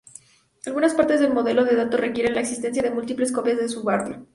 Algunas partes del modelo de datos requieren la existencia de múltiples copias del subárbol.